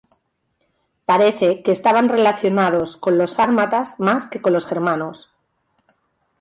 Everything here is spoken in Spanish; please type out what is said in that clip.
Parece que estaban relacionados con los sármatas, más que con los germanos.